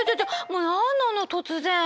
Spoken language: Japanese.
もう何なの突然！